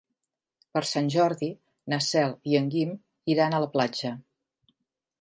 Per Sant Jordi na Cel i en Guim iran a la platja.